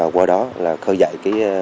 qua đó là khơi dạy